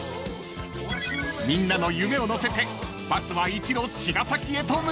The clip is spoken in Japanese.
［みんなの夢を乗せてバスは一路茅ヶ崎へと向かいます］